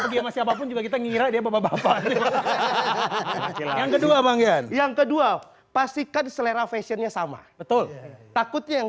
dia bapak bapak yang kedua manggian yang kedua pastikan selera fashionnya sama betul takutnya yang